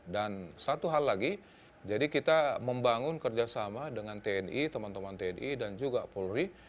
dan satu hal lagi jadi kita membangun kerjasama dengan tni teman teman tni dan juga polri